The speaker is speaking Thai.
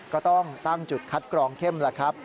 ก็ต้องตั้งจุดคัดกรองเข้มแล้วครับ